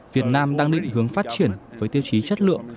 việt nam đang định hướng phát triển với tiêu chí chất lượng